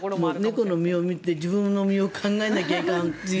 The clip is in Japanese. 猫を見て自分の身を考えなきゃいけない。